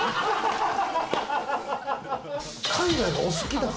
海外がお好き？